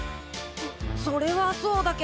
それはそうだけど。